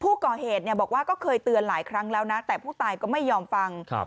ผู้ก่อเหตุบอกว่าก็เคยเตือนหลายครั้งแล้วนะแต่ผู้ตายก็ไม่ยอมฟัง